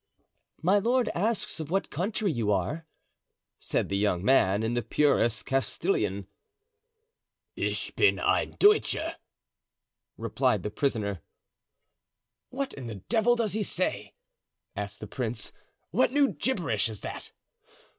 "My lord asks of what country you are," said the young man, in the purest Castilian. "Ich bin ein Deutscher," replied the prisoner. "What in the devil does he say?" asked the prince. "What new gibberish is that?"